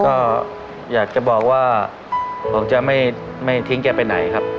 ก็อยากจะบอกว่าผมจะไม่ทิ้งแกไปไหนครับ